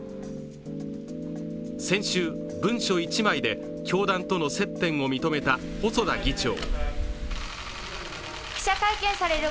先週、文書１枚で教団との接点を認めた細田議長。